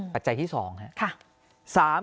ปัจจัยที่๒ครับ